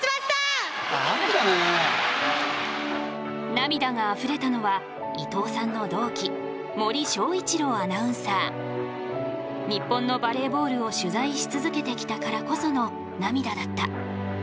涙があふれたのは伊藤さんの同期日本のバレーボールを取材し続けてきたからこその涙だった。